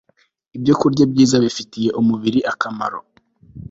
ibyokurya byiza bifitiye umubiri akamaro